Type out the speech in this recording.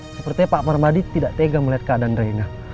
sepertinya pak permadi tidak tega melihat keadaan rena